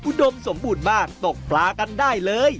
อุดมสมบูรณ์บ้างตกปลากันได้เลย